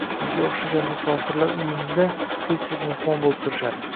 Sizga o`xshagan musofirlar uyimda tez-tez mehmon bo`lib turishadi